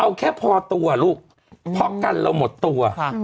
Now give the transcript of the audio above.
เอาแค่พอตัวลูกเพราะกันเราหมดตัว